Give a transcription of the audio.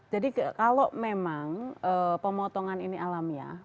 jadi kalau memang pemotongan ini alamiah